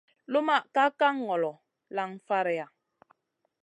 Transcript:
Lumʼma ka kan ŋolo, nan faraiya.